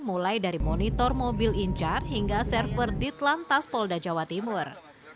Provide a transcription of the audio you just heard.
mulai dari monitor mobil incar hingga server ditlantas polda jawa timur